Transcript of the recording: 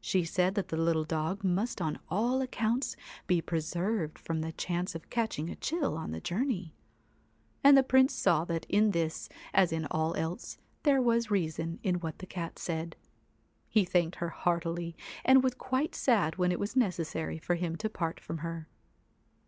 She said that the little dog must on all accounts be preserved from the chance of catching a chill on the journey; and the Prince saw that in this as in all else, there was reason in what the Cat said. He thanked her heartily, and was quite sad when it was necessary for him to part from her.